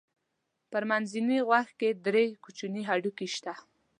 په منځني غوږ کې درې کوچني هډوکي شته.